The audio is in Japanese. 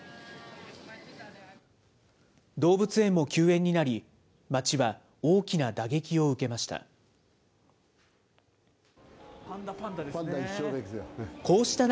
動物園も休園になり、街は大きな打撃を受けました。